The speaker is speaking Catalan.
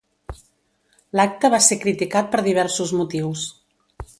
L'acte va ser criticat per diversos motius.